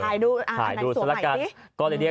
อ่ะถ่ายดูอ่านั้นสวมใหม่ที่